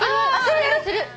それはする。